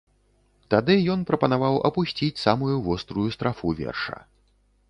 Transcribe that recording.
Тады ён прапанаваў апусціць самую вострую страфу верша.